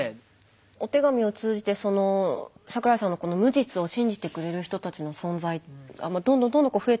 お手紙を通じてその桜井さんの無実を信じてくれる人たちの存在がどんどんどんどん増えていったと思うんですが。